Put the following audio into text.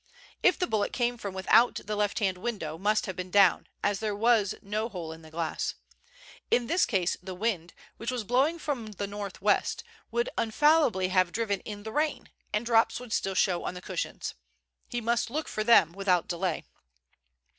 If the bullet came from without the left hand window must have been down, as there was no hole in the glass. In this case the wind, which was blowing from the north west, would infallibly have driven in the rain, and drops would still show on the cushions. He must look for them without delay.